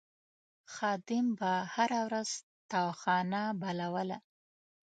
خادم به هره ورځ تاوخانه بلوله.